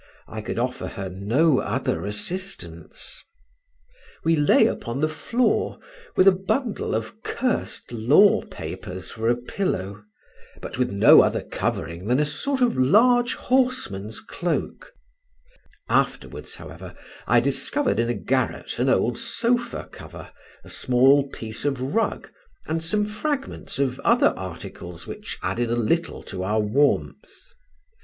I could offer her no other assistance. We lay upon the floor, with a bundle of cursed law papers for a pillow, but with no other covering than a sort of large horseman's cloak; afterwards, however, we discovered in a garret an old sofa cover, a small piece of rug, and some fragments of other articles, which added a little to our warmth.